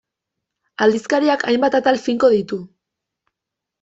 Aldizkariak hainbat atal finko ditu.